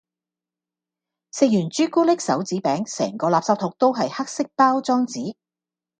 食完朱古力手指餅，成個垃圾桶都係黑色包裝紙